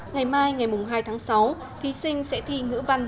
ngày mai ngày hai tháng sáu thí sinh sẽ thi ngữ văn